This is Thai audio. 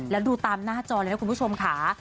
แล้วดูตามหน้าจอเลยนะคุณผู้ชมค่ะ